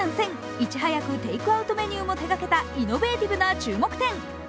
いち早くテイクアウトメニューも手がけたイノベーティブな注目点。